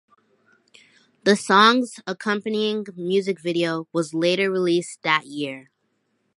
The song's accompanying music video was later released that year.